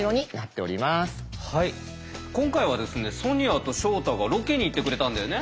今回はですねソニアと照太がロケに行ってくれたんだよね。